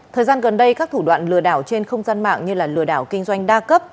thời gian gần đây các thủ đoạn lừa đảo trên không gian mạng như lừa đảo kinh doanh đa cấp